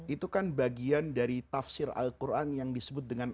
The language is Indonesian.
itu kan bagian dari tafsir al quran yang disebut dengan